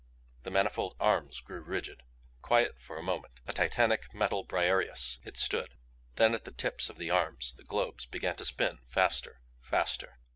The manifold arms grew rigid. Quiet for a moment, a Titanic metal Briareous, it stood. Then at the tips of the arms the globes began to spin faster, faster.